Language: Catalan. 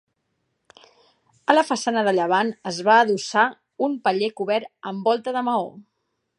A la façana de llevant es va adossar un paller cobert amb volta de maó.